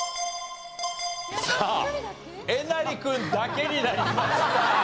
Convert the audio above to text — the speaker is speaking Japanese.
さあえなり君だけになりました。